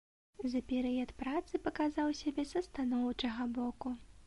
За перыяд працы паказаў сябе са станоўчага боку.